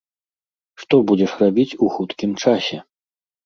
Што будзеш рабіць ў хуткім часе?